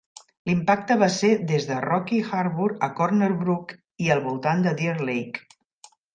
L'impacte va ser des de Rocky Harbour a Corner Brook i al voltant de Deer Lake.